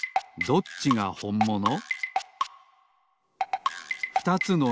どっちがほんもの？